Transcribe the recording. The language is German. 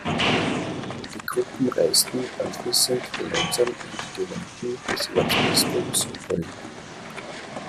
Die Gruppen reisten anschließend gemeinsam in die Gemeinden des Erzbistums Köln.